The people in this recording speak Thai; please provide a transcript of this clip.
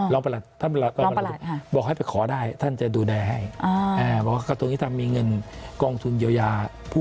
ล้อมประหลัดบอกให้ไปขอได้ท่านจะดูแลให้กระทรวงอิทธิ์ธรรมมีเงินกองทุนเยียวยา